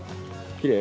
きれい？